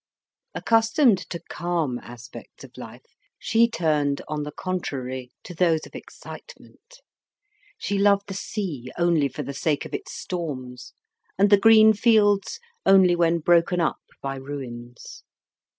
Accustomed to calm aspects of life, she turned, on the contrary, to those of excitement. She loved the sea only for the sake of its storms, and the green fields only when broken up by ruins.